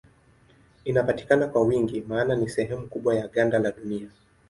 Inapatikana kwa wingi maana ni sehemu kubwa ya ganda la Dunia.